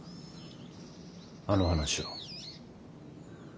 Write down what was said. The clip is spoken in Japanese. あの話を。